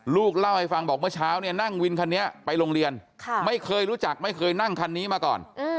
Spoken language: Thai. ลูกเล่าให้ฟังบอกเมื่อเช้าเนี่ยนั่งวินคันนี้ไปโรงเรียนไม่เคยรู้จักไม่เคยนั่งคันนี้มาก่อน